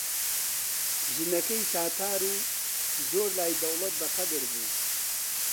ژنەکەی تاتار و زۆر لای دەوڵەت بەقەدر بوو